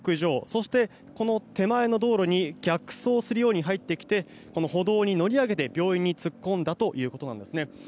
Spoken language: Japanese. そして、手前の道路に逆走するように入ってきて歩道に乗り上げて、病院に突っ込んだということです。